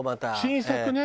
新作ね。